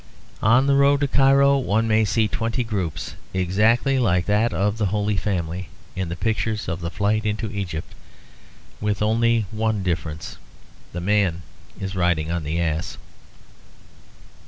On the road to Cairo one may see twenty groups exactly like that of the Holy Family in the pictures of the Flight into Egypt; with only one difference. The man is riding on the ass.